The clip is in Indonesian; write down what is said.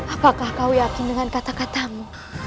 apakah kau yakin dengan kata katamu